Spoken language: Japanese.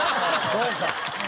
そうか。